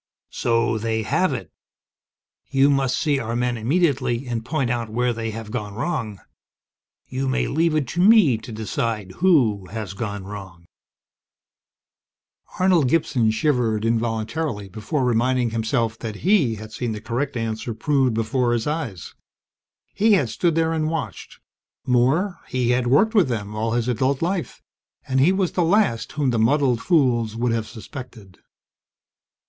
"So they have it! You must see our men immediately, and point out where they have gone wrong. You may leave it to me to decide who has gone wrong!" Arnold Gibson shivered involuntarily before reminding himself that he had seen the correct answer proved before his eyes. He had stood there and watched more, he had worked with them all his adult life and he was the last whom the muddled fools would have suspected.